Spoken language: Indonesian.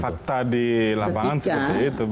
fakta di lapangan seperti itu